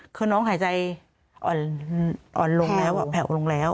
คือน้องหายใจอ่อนลงแล้วแผ่วลงแล้ว